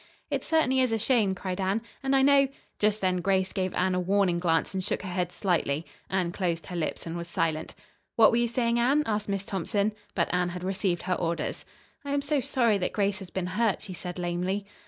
"It certainly is a shame," cried Anne. "And I know " Just then Grace gave Anne a warning glance and shook her head slightly. Anne closed her lips and was silent. "What were you saying, Anne?" asked Miss Thompson. But Anne had received her orders. "I am so sorry that Grace has been hurt," she said lamely.